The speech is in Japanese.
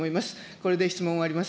これで質問を終わります。